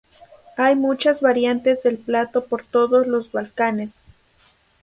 Hay muchas variantes del plato por todos los Balcanes.